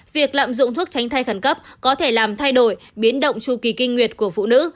việc lạm dụng thuốc tránh thai khẩn cấp có thể làm thay đổi biến động tru kỳ kinh nguyệt của phụ nữ